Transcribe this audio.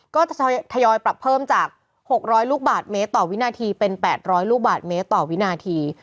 ก็จะทยอยปรับเพิ่มจาก๖๐๐ลูกบาทเมตรต่อวินาทีเป็น๘๐๐ลูกบาทเมตรต่อวินาที